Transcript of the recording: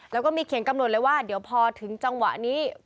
แล้วก็มีเขียนกำหนดเลยว่าเดี๋ยวพอถึงจังหวะนี้